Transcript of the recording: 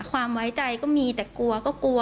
ความไว้ใจก็มีแต่กลัวก็กลัว